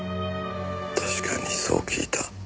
確かにそう聞いた。